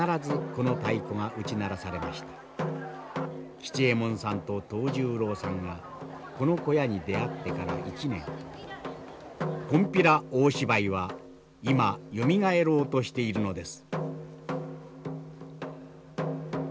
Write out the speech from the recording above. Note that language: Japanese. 吉右衛門さんと藤十郎さんがこの小屋に出会ってから１年金毘羅大芝居は今よみがえろうとしているのです。